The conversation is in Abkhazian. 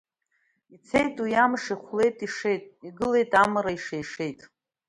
Ицеит уи амш, ихәлеит, ишеит, игылеит амра, ишеишеит.